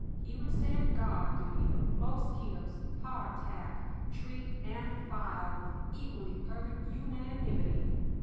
He would stand guard duty, mosquitoes, hardtack, treat, and fire with equally perfect unanimity.